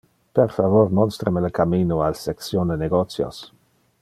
Per favor monstra me le cammino al section de negotios.